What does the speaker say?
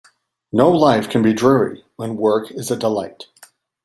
No life can be dreary when work is a delight.